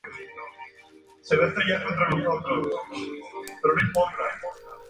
Es nativa de Malasia a Nueva Guinea.